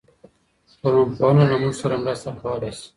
ټولنپوهنه له موږ سره مرسته کولای سي.